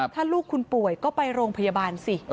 ถ้าลูกคุณป่วยก็ไปโรงพยาบาลสิ